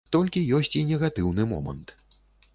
Толькі ёсць і негатыўны момант.